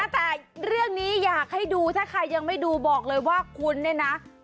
แต่เรื่องนี้อยากให้ดูถ้าใครยังไม่ดูบอกเลยว่าคุณเนี่ยนะ